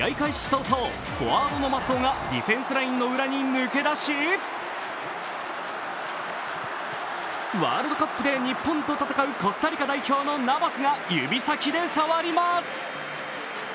早々、フォワードの松尾がディフェンスラインの裏に抜け出しワールドカップで日本と戦うコスタリカ代表のナバスが指先で触ります。